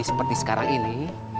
seperti sekarang ini